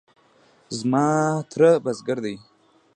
زما تره بزگر دی.